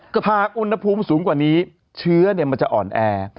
ถ้าหากอุณหภูมิสูงกว่านี้เชื้อมันจะอ่อนแอ